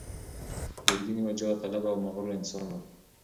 ګرګين يو جاه طلبه او مغرور انسان و.